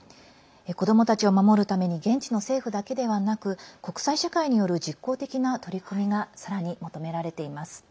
子どもたちを守るために現地の政府だけではなく国際社会による実効的な取り組みがさらに求められています。